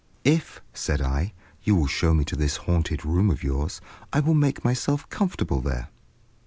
"If," said I, "you will show me to this haunted room of yours, I will make myself comfortable there."